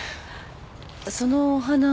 そのお花は？